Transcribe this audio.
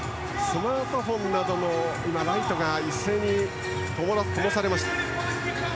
スマートフォンなどのライトが一斉にともされました。